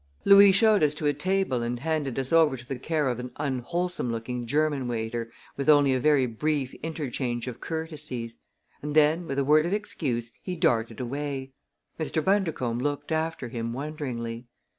Louis showed us to a table and handed us over to the care of an unwholesome looking German waiter, with only a very brief interchange of courtesies. And then, with a word of excuse, he darted away. Mr. Bundercombe looked after him wonderingly.